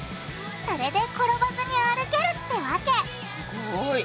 それで転ばずに歩けるってわけすごい！